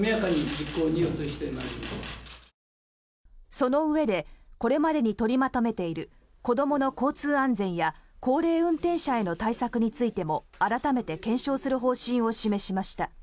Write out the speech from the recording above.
そのうえでこれまでに取りまとめている子どもの交通安全や高齢者運転者への対策についても改めて検証する方針を示しました。